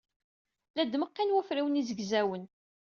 La d-meɣɣin wafriwen izegzawen.